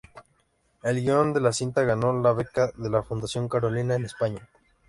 El guion de la cinta ganó la beca de la fundación Carolina, en España.